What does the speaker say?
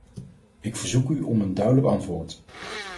Ik verzoek u om een duidelijk antwoord.